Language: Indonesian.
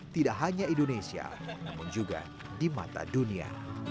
tidak hanya indonesia namun juga di mata dunia